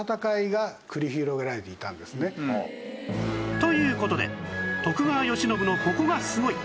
という事で徳川慶喜のここがすごい！